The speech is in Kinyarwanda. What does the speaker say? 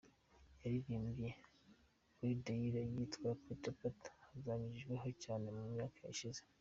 Yaririmbye ‘Vuli Ndlela’ n’iyitwa ‘Pata Pata’ zakanyujijeho cyane mu myaka ishize.